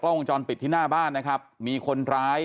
กล้องวงจรปิดที่หน้าบ้านนะครับมีคน